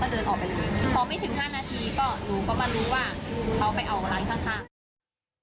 พอไม่ถึงห้านาทีก็หนูก็มารู้ว่าเขาไปออกหลายข้างข้าง